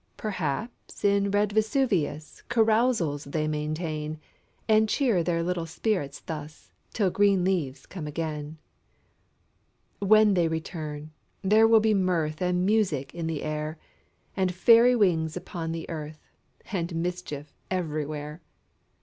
Perhaps, in red Vesuvius Carousals they maintain ; And cheer their little spirits thus, Till green leaves come again. When they return, there will be mirth And music in the air, And fairy wings upon the earth, And mischief everywhere.